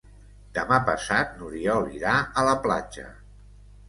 Demà passat n'Oriol irà a la platja.